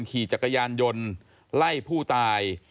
ขี่จักรยานยนต์ไล่ผู้ตาย